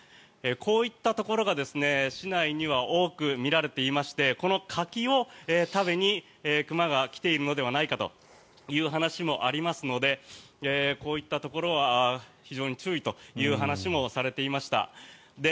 こういったところが市内には多く見られていましてこの柿を食べに熊が来ているのではないかという話もありますのでこういったところは非常に注意という話もされていました。